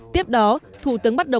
tiếp đó thủ tướng bắt đầu